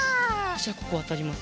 じゃあここわたります。